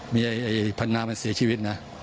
มีพระนาทมันเสียชีวิตนะ